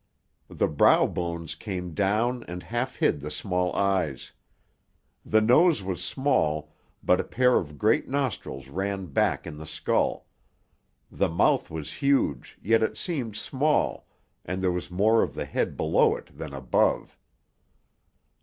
The brow bones came down and half hid the small eyes; the nose was small, but a pair of great nostrils ran back in the skull; the mouth was huge, yet it seemed small, and there was more of the head below it than above.